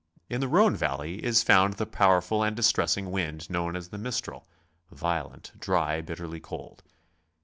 In the Rhone valley is found the powerful and distressing wind knowui as the mistral, violent, dry, bitterly cold.